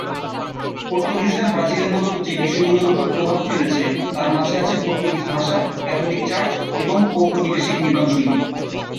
পর্তুগিজরা ব্রাজিলে মূলত যে বিষয়গুলোর ওপর প্রভাব ফেলেছে, তার মাঝে আছে পর্তুগিজ ভাষা, ক্যাথলিক চার্চ, এবং ঔপনিবেশিক নির্মাণশৈলী।